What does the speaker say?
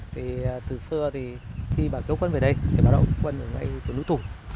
thì từ xưa thì khi bà kêu quân về đây thì bà đọc quân ở ngay ở núi tùng